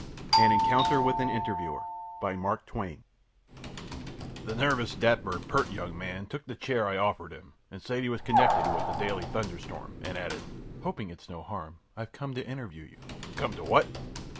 ö AN ENCOUNTER WITH AN INTERVIEWER The nervous, dapper, ōpeartö young man took the chair I offered him, and said he was connected with the Daily Thunderstorm, and added: ōHoping it's no harm, I've come to interview you.ö ōCome to what?